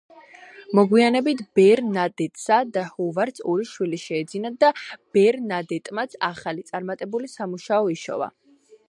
მოგვიანებით ბერნადეტსა და ჰოვარდს ორი შვილი შეეძინათ და ბერნადეტმაც ახალი, წარმატებული სამუშაო იშოვა.